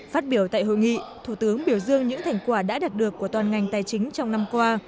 phát biểu tại hội nghị thủ tướng biểu dương những thành quả đã đạt được của toàn ngành tài chính trong năm qua